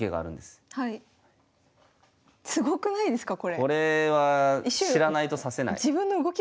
これは知らないと指せない。